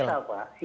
itu dipaksa pak